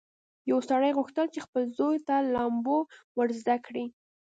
یو سړي غوښتل چې خپل زوی ته لامبو ور زده کړي.